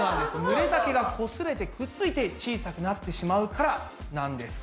ぬれた毛がこすれてくっついて小さくなってしまうからなんです。